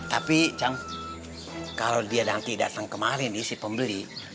tapi cang kalau dia nanti datang kemari nih si pembeli